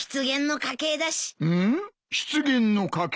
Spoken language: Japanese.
失言の家系？